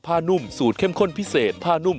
ข้าวใส่ไข่สดใหม่